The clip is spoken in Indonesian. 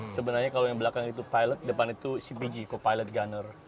sebenarnya kalau yang belakang itu pilot depan itu cpg co pilot gunner